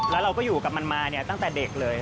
แล้วเราก็อยู่กับมันมาเนี่ยตั้งแต่เด็กเลย